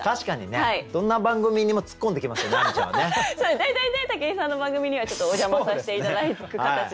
大体ね武井さんの番組にはちょっとお邪魔させて頂く形で。